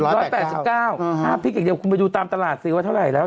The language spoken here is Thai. ร้อยแปดเก้าถ้าพริกอีกเดียวคุณไปดูตามตลาดซื้อว่าเท่าไหร่แล้ว